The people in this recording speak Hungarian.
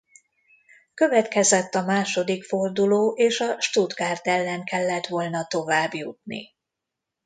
Következett a második forduló és a Stuttgart ellen kellett volna továbbjutni.